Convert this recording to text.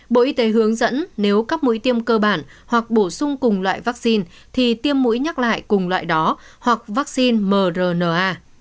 bộ y tế hướng dẫn nếu các mũi tiêm cơ bản hoặc bổ sung cùng loại vaccine thì tiêm mũi nhắc lại cùng loại đó hoặc vaccine mrna